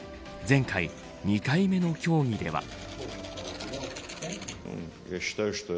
前回、２回目の協議では。